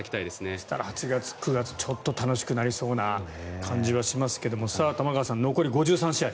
そしたら８月、９月ちょっと楽しくなりそうな感じはしますがさあ、玉川さん残り５３試合。